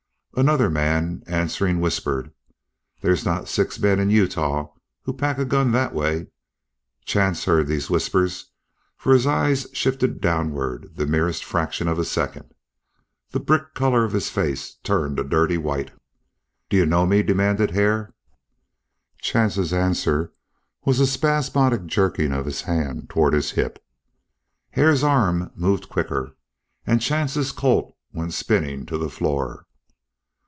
Another man answering whispered: "There's not six men in Utah who pack a gun thet way." Chance heard these whispers, for his eye shifted downward the merest fraction of a second. The brick color of his face turned a dirty white. "Do you know me?" demanded Hare. Chance's answer was a spasmodic jerking of his hand toward his hip. Hare's arm moved quicker, and Chance's Colt went spinning to the floor.